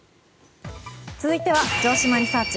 続いては城島リサーチ！